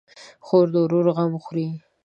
خور د ورور غم خوري.